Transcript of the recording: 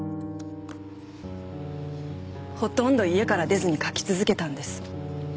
ほとんど家から出ずに描き続けたんです。